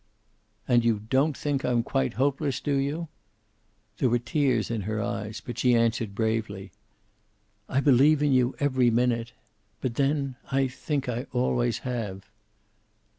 "And you don't think I'm quite hopeless, do you?" There were tears in her eyes, but she answered bravely: "I believe in you every minute. But then I think I always have."